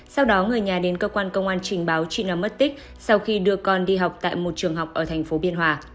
sau đó người nhà đến cơ quan công an trình báo chị nâm mất tích sau khi đưa con đi học tại một trường học ở thành phố biên hòa